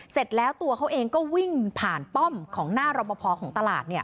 เสร็จแล้วตัวเขาเองก็วิ่งผ่านป้อมของหน้ารบพอของตลาด